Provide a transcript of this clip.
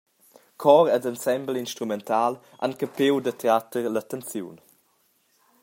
Chor ed ensemble instrumental han capiu d’attrer l’attenziun.